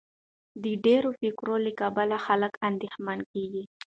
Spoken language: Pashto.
د ډېر فکر له کبله خلک اندېښمن کېږي.